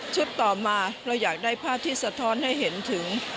ต่อมาเราอยากได้ภาพที่สะท้อนให้เห็นถึง